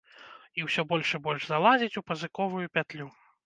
І ўсё больш і больш залазіць у пазыковую пятлю.